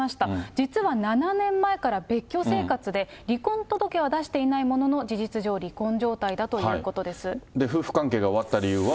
実は７年前から別居生活で、離婚届は出していないものの、事実上、夫婦関係が終わった理由は。